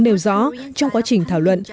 nêu rõ trong quá trình thảo luận